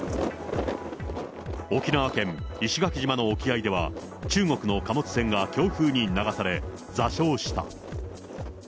沖縄県石垣島の沖合では、中国の貨物船が強風に流され、座礁した。